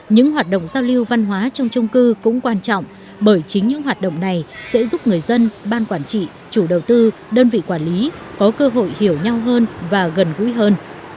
những hoạt động giao lưu văn hóa trong trung cư cũng quan trọng bởi chính những hoạt động này sẽ giúp người dân ban quản trị chủ đầu tư đơn vị quản lý có cơ hội hiểu nhau hơn và gần gũi hơn